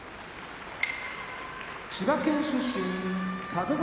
千葉県出身佐渡ヶ